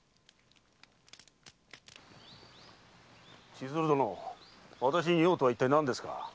千鶴殿私に用とはいったい何ですか？